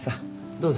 どうぞ。